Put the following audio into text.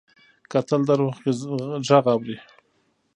کتل د روح غږ اوري